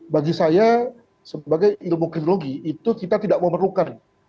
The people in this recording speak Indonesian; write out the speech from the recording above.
bagi saya sebagai ilmu krimologi itu kita tidak memerlukan